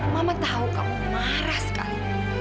mama tahu kamu marah sekali